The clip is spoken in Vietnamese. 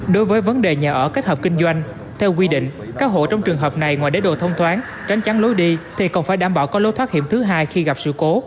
đối với vấn đề nhà ở kết hợp kinh doanh theo quy định các hộ trong trường hợp này ngoài đế đồ thông thoáng tránh lối đi thì còn phải đảm bảo có lối thoát hiểm thứ hai khi gặp sự cố